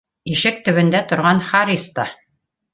Ишек төбөндә торған Харис та: